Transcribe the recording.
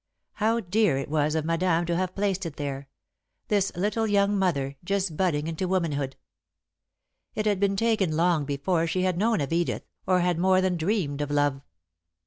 How dear it was of Madame to have placed it there this little young mother, just budding into womanhood! It had been taken long before she had known of Edith, or had more than dreamed of love.